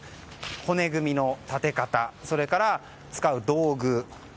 骨組みの立て方それから、使う道具。